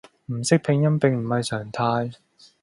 唔識拼音並唔係常態